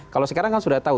kalau sekarang kan sudah tahu